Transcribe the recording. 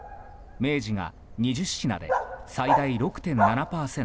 明治が２０品で最大６．７％